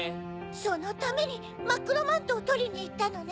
そのためにまっくろマントをとりにいったのね。